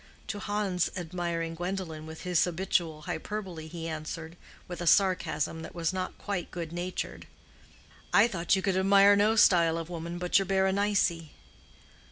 To Hans admiring Gwendolen with his habitual hyperbole, he answered, with a sarcasm that was not quite good natured, "I thought you could admire no style of woman but your Berenice."